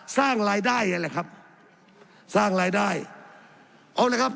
สร้างรายได้นั่นแหละครับสร้างรายได้เอาเลยครับ